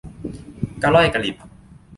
กะหล่อยกะหลิบ